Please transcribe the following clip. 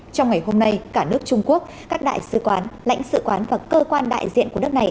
trong ngày hôm nay cả nước trung quốc các đại sứ quán lãnh sự quán và cơ quan đại diện của nước này